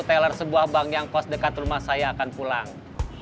seteller sebuah bank yang kos dekat rumah saya akan pulang